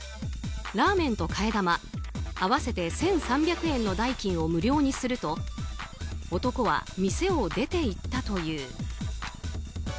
ラーメンと替え玉合わせて１３００円の代金を無料にすると男は店を出て行ったという。